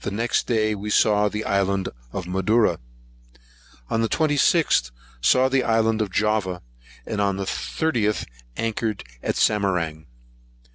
Next day we saw the island of Madura. On the 26th, saw the island of Java; and on the 30th, anchored at Samarang.